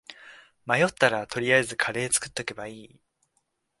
迷ったら取りあえずカレー作っとけばいい